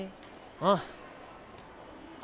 ああ。